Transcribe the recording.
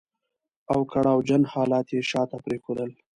او کړاو جن حالات يې شاته پرېښودل.